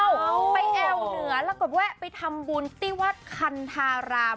เองไปแอวเหนือหรอกก่อนด้วยไปทำบุญติวัตถร์คันธาราม